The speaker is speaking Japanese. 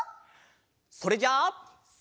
それじゃあせの。